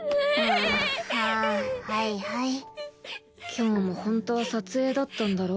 今日もホントは撮影だったんだろ？